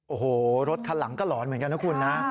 โอ้โหรถคันหลังก็หลอนเหมือนกันนะคุณนะ